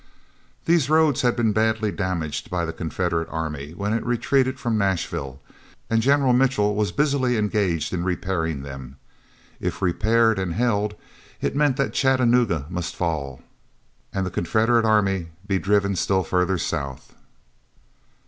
These roads had been badly damaged by the Confederate army when it retreated from Nashville, and General Mitchell was busily engaged in repairing them. If repaired and held, it meant that Chattanooga must fall, and the Confederate army be driven still farther south.